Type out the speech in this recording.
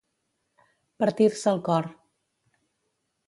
Partir-se el cor.